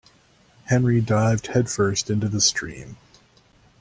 Henry dived headfirst into the stream.